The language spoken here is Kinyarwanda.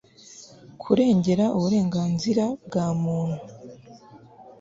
kurengera uburenganzira bwa muntu